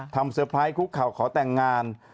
เซอร์ไพรสคุกเข่าขอแต่งงาน